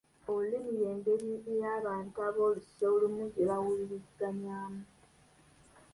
Olulimi y’engeri ey’abantu ab’oluse olumu gye bawuliziganyaamu.